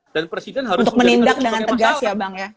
dan presiden harus menjadi penyidik